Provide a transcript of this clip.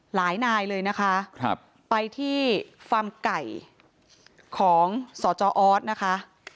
นายเลยนะคะไปที่ฟาร์มไก่ของสจออสนะคะ